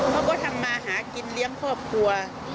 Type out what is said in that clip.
เขาก็ทำมาหากินเลี้ยงครอบครัว